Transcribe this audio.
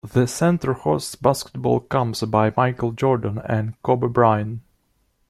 The center hosts basketball camps by Michael Jordan and Kobe Bryant.